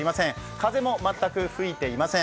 風も全く吹いていません。